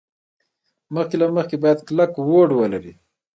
مخکې له مخکې باید کلک هوډ ولري.